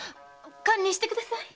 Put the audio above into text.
堪忍してください！〕